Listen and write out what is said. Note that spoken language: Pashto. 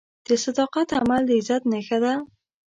د صداقت عمل د عزت نښه ده.